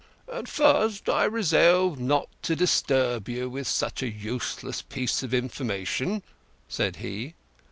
"At first I resolved not to disturb you with such a useless piece of information," said he.